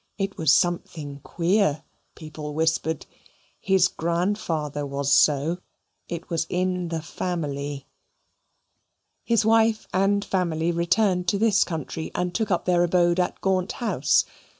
It was something queer, people whispered. His grandfather was so. It was in the family. His wife and family returned to this country and took up their abode at Gaunt House.